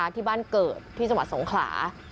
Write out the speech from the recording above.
ที่บ้านเกิดที่สมสงขลา